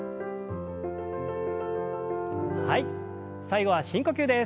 最後は深呼吸です。